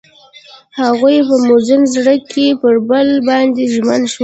هغوی په موزون زړه کې پر بل باندې ژمن شول.